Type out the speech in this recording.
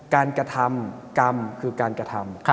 กระทำกรรมคือการกระทำ